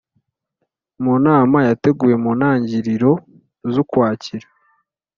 mu nama yateguwe mu ntangiriro z'ukwakira,